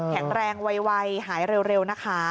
แข็งแรงไวหายเร็วนะคะ